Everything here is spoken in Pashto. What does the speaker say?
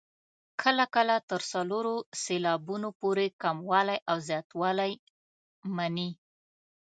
کله کله تر څلورو سېلابونو پورې کموالی او زیاتوالی مني.